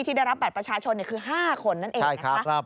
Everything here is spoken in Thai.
ที่ได้รับบัตรประชาชนคือ๕คนนั่นเองนะคะ